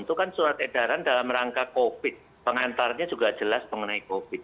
itu kan surat edaran dalam rangka covid pengantarnya juga jelas mengenai covid